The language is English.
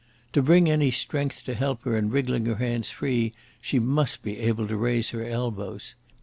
To bring any strength to help her in wriggling her hands free she must be able to raise her elbows.